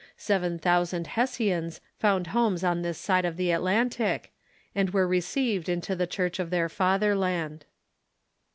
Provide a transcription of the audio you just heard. Seven thousand Hessians found homes on this side of the Atlantic, and were received into the Church of their fatherland.